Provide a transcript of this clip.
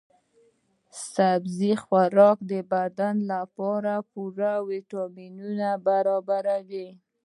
سبزي خوراک د بدن لپاره پوره ويټامینونه برابروي.